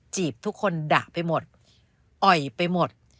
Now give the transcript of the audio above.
ทุกคนดะไปหมดอ่อยไปหมด